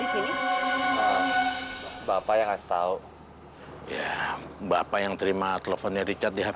sampai jumpa di video selanjutnya